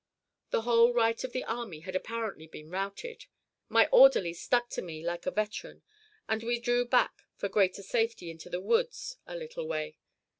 The whole right of the army had apparently been routed. My orderly stuck to me like a veteran, and we drew back for greater safety into the woods a little way.